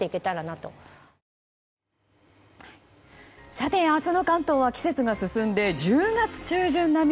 さて、明日の関東は季節が進んで１０月中旬並み。